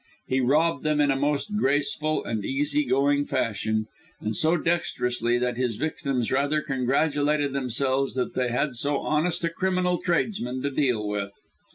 He robbed them in a most graceful and easy going fashion, and so dexterously, that his victims rather congratulated themselves that they had so honest a criminal tradesman to deal with.